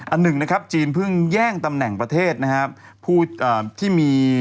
อันหนึ่งนะครับจีนพึ่งแย่งตำแหน่งประเทศนะครับ